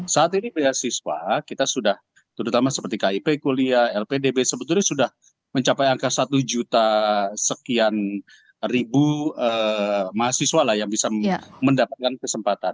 saat ini beasiswa kita sudah terutama seperti kip kuliah lpdb sebetulnya sudah mencapai angka satu juta sekian ribu mahasiswa lah yang bisa mendapatkan kesempatan